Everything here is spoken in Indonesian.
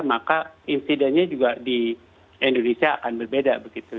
maka insidennya juga di indonesia akan berbeda begitu